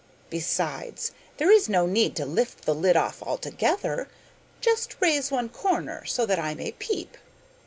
Besides, there is no need to lift the lid off altogether. Just raise one corner so that I may peep.